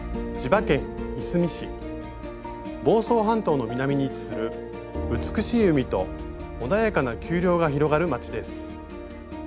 房総半島の南に位置する美しい海と穏やかな丘陵が広がる町です。